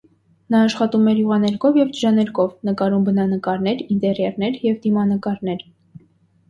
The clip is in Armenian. Նա աշխատում էր յուղաներկով և ջրաներկով, նկարում բնանկարներ, ինտերիերներ և դիմանկարներ։